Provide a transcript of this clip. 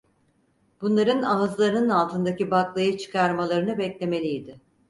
Bunların ağızlarının altındaki baklayı çıkarmalarını beklemeliydi.